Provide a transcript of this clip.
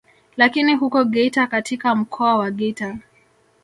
Lakini huko Geita katika mkoa wa Geita